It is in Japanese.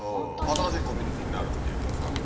新しいコミュニティーになるっていうかさ。